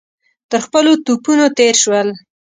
تر خپلو توپونو تېر شول.